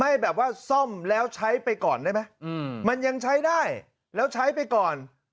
ให้แบบว่าซ่อมแล้วใช้ไปก่อนได้ไหมมันยังใช้ได้แล้วใช้ไปก่อน